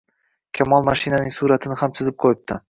Kamol mashinaning suratini ham chizib qo`yibdi